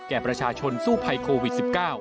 แก่ประชาชนสู้ภัยโควิด๑๙